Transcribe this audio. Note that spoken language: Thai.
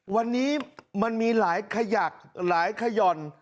วันนี้มันมีหลายขยักหลายขย่อน